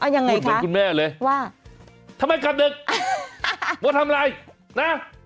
อ๋อยังไงคะคุณแม่เลยว่าทำไมกลับเด็กว่าทำไรนะ